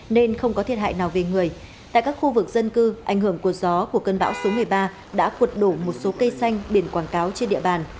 nên không có thiệt hại nào về người tại các khu vực dân cư ảnh hưởng của gió của cơn bão số một mươi ba đã cuột đổ một số cây xanh biển quảng cáo trên địa bàn